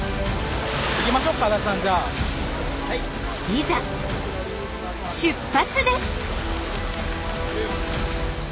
いざ出発です。